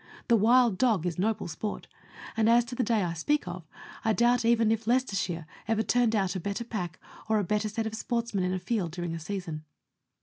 The wild dog is noble sport ; and as to the day I speak of, I doubt even if Leicestershire ever turned out a better pack or a better set of sportsmen in a field during a season.